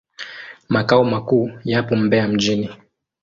Makao makuu yapo Mbeya mjini.